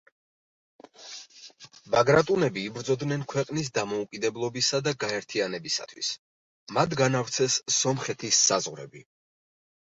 ბაგრატუნები იბრძოდნენ ქვეყნის დამოუკიდებლობისა და გაერთიანებისათვის, მათ განავრცეს სომხეთის საზღვრები.